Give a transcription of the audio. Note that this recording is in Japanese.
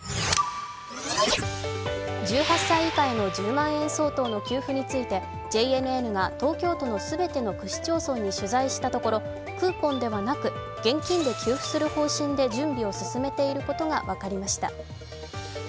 １８歳以下への１０万円相当の給付についてＪＮＮが東京都の全ての区市町村に取材したところクーポンではなく現金で給付する方針で準備を進めていることが分かりました。